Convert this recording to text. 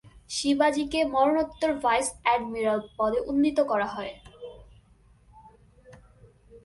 শিবাজিকে মরণোত্তর vice admiral পদে উন্নীত করা হয়।